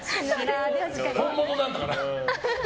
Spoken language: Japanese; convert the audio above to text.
本物なんだから。